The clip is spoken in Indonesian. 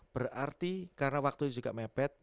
berarti karena waktu itu juga mepet